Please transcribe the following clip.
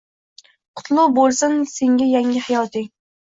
Qutlug’ bo’lsin senga yangi hayoting.